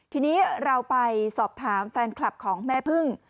ทีนี้เราไปสอบถามแฟนคลับของแม่พึ่ง